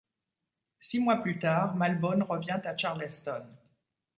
Six mois plus tard Malbone revient à Charleston.